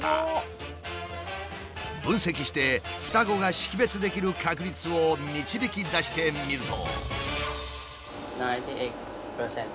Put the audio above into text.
分析して双子が識別できる確率を導き出してみると。